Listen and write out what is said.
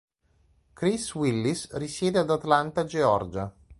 Chris Willis risiede ad Atlanta, Georgia.